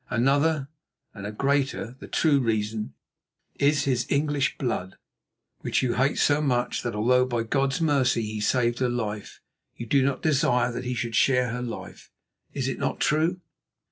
Another and a greater, the true reason, is his English blood, which you hate so much that, although by God's mercy he saved her life, you do not desire that he should share her life. Is it not true?"